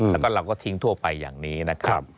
แล้วก็เราก็ทิ้งทั่วไปอย่างนี้นะครับ